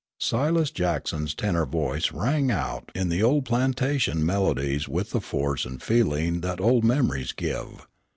Silas Jackson's tenor voice rang out in the old plantation melodies with the force and feeling that old memories give.